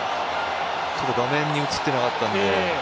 画面に映ってなかったので。